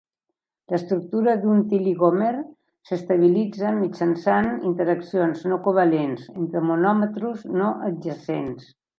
L'estructura d'un tiligòmer s'estabilitza mitjançant interaccions no covalents entre monòmetres no adjacents.